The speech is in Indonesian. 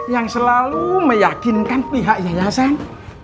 yang selalu meyakinkan pihak yayasan